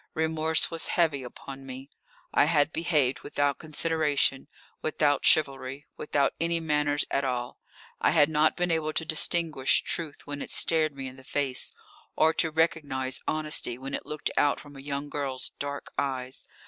Remorse was heavy upon me. I had behaved without consideration, without chivalry, without any manners at all. I had not been able to distinguish truth when it stared me in the face, or to recognise honesty when it looked out from a young girl's dark eyes.